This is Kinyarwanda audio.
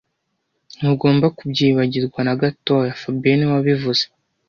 Ntugomba kubyibagirwa nagatoya fabien niwe wabivuze